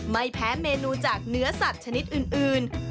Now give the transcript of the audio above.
ไม่แพ้เมนูจากเนื้อสัตว์ชนิดอื่น